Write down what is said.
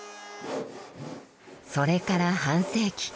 それから半世紀。